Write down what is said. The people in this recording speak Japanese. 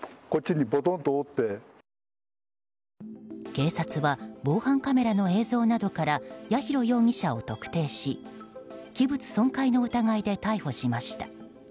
警察は防犯カメラの映像などから八尋容疑者を特定し器物損壊の疑いで逮捕しました。